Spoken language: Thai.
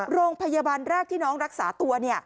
โรงพยาบาลแรกที่น้องรักษาตัว